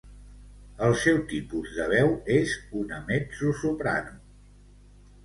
El seu tipus de veu és una mezzosoprano.